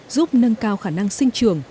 giúp nâng cao khả năng sinh trường